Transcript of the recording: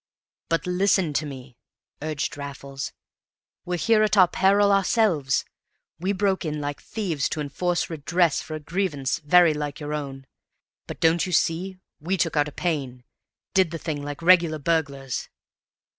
"But listen to me," urged Raffles; "We're here at our peril ourselves. We broke in like thieves to enforce redress for a grievance very like your own. But don't you see? We took out a pane did the thing like regular burglars.